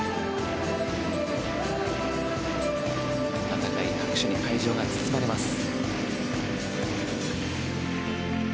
温かい拍手に会場が包まれます。